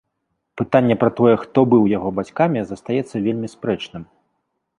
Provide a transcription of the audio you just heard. Пытанне пра тое, хто быў яго бацькамі, застаецца вельмі спрэчным.